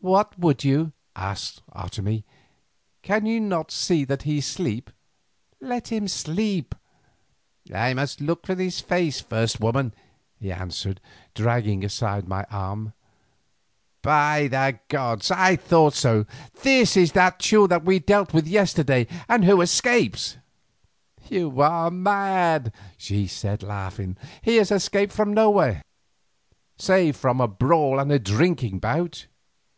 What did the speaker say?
"What would you?" asked Otomie. "Can you not see that he sleeps? Let him sleep." "I must look on his face first, woman," he answered, dragging aside my arm. "By the gods, I thought so! This is that Teule whom we dealt with yesterday and who escapes." "You are mad," she said laughing. "He has escaped from nowhere, save from a brawl and a drinking bout."